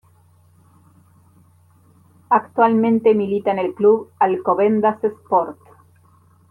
Actualmente milita en el Club Alcobendas Sport.